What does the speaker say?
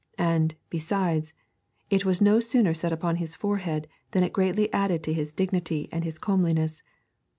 And, besides, it was no sooner set upon his forehead than it greatly added to his dignity and his comeliness.